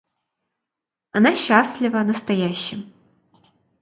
Она счастлива настоящим.